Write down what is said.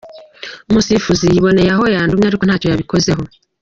Umusifuzi yiboneye aho yandumye, ariko ntacyo yabikozeho.